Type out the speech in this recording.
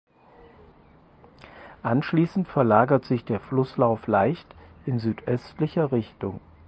Anschließend verlagert sich der Flusslauf leicht in südöstlicher Richtung.